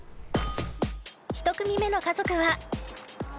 １組目の家族は。